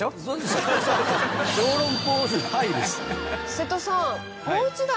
瀬戸さん。